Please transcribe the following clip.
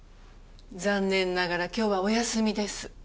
残念ながら今日はお休みです。